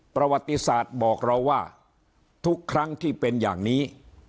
ประวัติศาสตร์บอกเราว่าทุกครั้งที่เป็นอย่างนี้